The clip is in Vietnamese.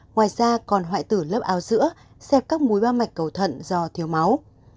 ngoài ra còn hoại tử lớp áo giữa xẹp các múi mau mạch cầu thận do thiếu máu